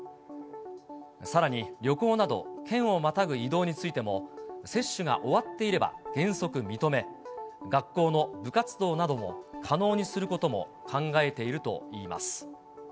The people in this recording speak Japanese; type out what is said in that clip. さらに旅行など、県をまたぐ移動についても、接種が終わっていれば原則認め、学校の部活動なども可能にすることも考えているといいます。